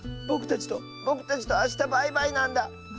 ぼくたちとぼくたちとあしたバイバイなんだ。